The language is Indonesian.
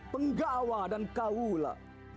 penggawa dan kaula